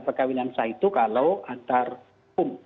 perkawinan sah itu kalau antar hukum